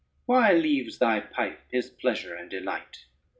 Why leaves thy pipe his pleasure and delight?